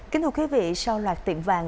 kính thưa quý vị sau loạt tiệm vàng